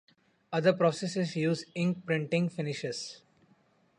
Other processes use ink printing finishes.